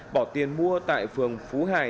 bỏ tiền mua tại phường phú hải